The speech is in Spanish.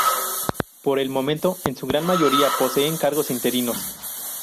Por el momento, en su gran mayoría poseen cargos interinos.